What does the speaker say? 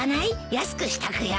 安くしとくよ。